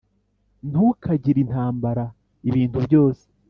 ntukagire intambara ibintu byose